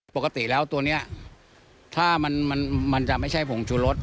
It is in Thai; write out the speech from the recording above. ปกติแล้วตัวนี้ถ้ามันจะไม่ใช่ผงชูรส